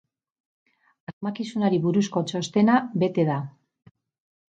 Asmakizunari buruzko txostena bete da.